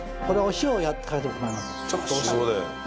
塩で。